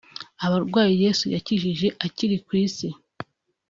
Abarwayi Yesu yakijije akiri ku isi